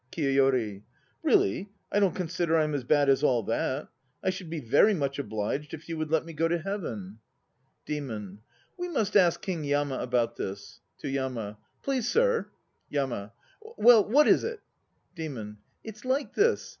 KIYOYORI. Really, I don't consider I'm as bad as all that. I should be very much obliged if you would let me go to Heaven. 1 See Ukai, p. 169. K Y 6 G E N 257 DEMON. We must ask King Yama about this. (To YAMA.) Please sir! YAMA. Well, what is it? DEMON. It's like this.